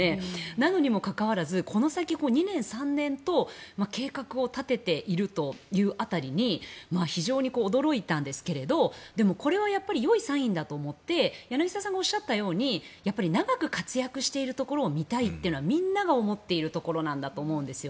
なのにもかかわらずこの先２年、３年と計画を立てているという辺りに非常に驚いたんですがこれはやはりいいサインだと思って柳澤さんがおっしゃったように長く活躍しているところを見たいというのはみんなが思っているところだと思うんです。